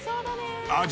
味